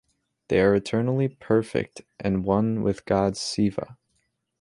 They are eternally perfect and one with God Siva.